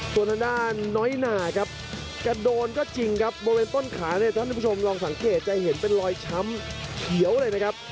ส่วนทางด้านน้อยนาครับแกโดนก็จริงครับบริเวณต้นขาเนี่ยท่านผู้ชมลองสังเกตจะเห็นเป็นรอยช้ำเขียวเลยนะครับ